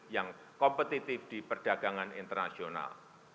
yang kompetitif di perdagangan internasional